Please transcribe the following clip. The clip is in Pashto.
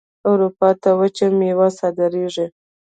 اروپا ته وچې میوې صادریږي.